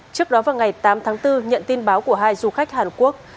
trước đó vào ngày tám tháng bốn nhận tin báo của hai du khách hàn quốc